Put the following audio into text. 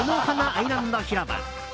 アイランド広場。